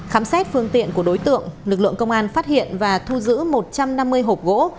khám xét phương tiện của đối tượng lực lượng công an phát hiện và thu giữ một trăm năm mươi hộp gỗ